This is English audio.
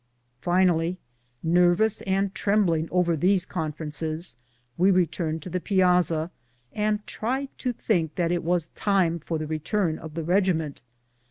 Finally, nervous and trembling over these conferences, we returned to the piazza, and tried to think that it was time for the return of the regiment.